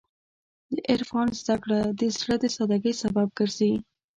د عرفان زدهکړه د زړه د سادګۍ سبب ګرځي.